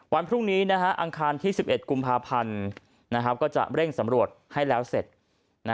วันพรุ่งนี้อังคารที่๑๑กุมภาพันธ์ก็จะเร่งสำรวจให้แล้วเสร็จ